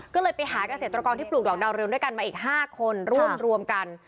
ก็เลยไปหาเกษตรกรที่ปลูกดอกดาวเรืองด้วยกันมาอีก๕คนรวมกัน